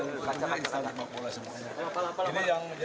ini yang menjadikan kami harus bekerja maksimal untuk kepercayaan